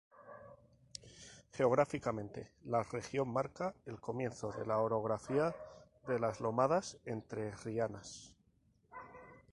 Geográficamente la región marca el comienzo de la orografía de las lomadas entrerrianas.